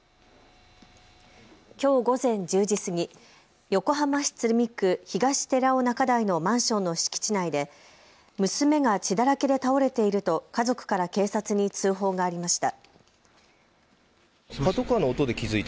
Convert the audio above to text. きょう午前１０時過ぎ横浜市鶴見区東寺尾中台のマンションの敷地内で娘が血だらけで倒れていると家族から警察に通報がありました。